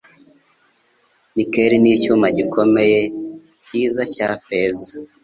Nickel nicyuma gikomeye, cyiza cya feza.